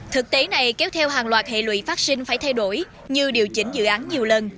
thực tế này kéo theo hàng loạt hệ lụy phát sinh phải thay đổi như điều chỉnh dự án nhiều lần